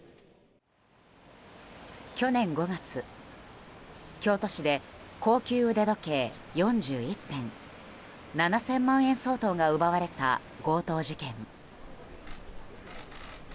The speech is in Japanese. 去年５月、京都市で高級腕時計４１点７０００万円相当が奪われた強盗事件。